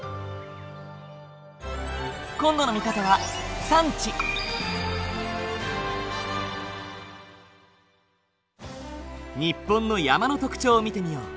今度の見方は日本の山の特徴を見てみよう。